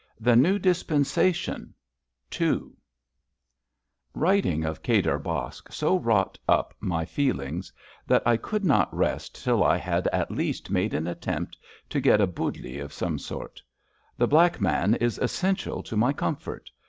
THE NEW DISPENSATION— n \\rEITING of Kadir Baksh so wronglit up my ^^ feelings that I could not rest till I had at least made an attempt to get a hudli of some sort. The black man is essential to my comfort.